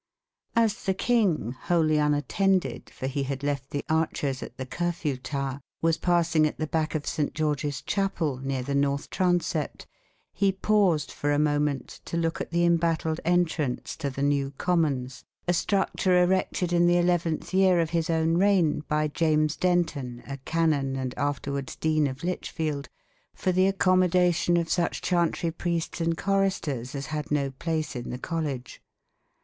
As the king, wholly unattended for he had left the archers at the Curfew Tower was passing at the back of Saint George's Chapel, near the north transept, he paused for a moment to look at the embattled entrance to the New Commons a structure erected in the eleventh year of his own reign by James Denton, a canon, and afterwards Dean of Lichfield, for the accommodation of such chantry priests and choristers as had no place in the college.